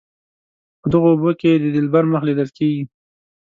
په دغو اوبو کې د دلبر مخ لیدل کیږي.